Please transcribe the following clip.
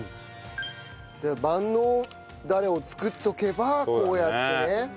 万能ダレを作っておけばこうやってね。